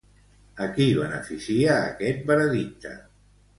A qui beneficia aquest veredicte?